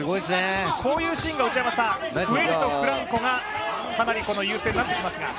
こういうシーンが増えるとフランコが優勢になってきますが。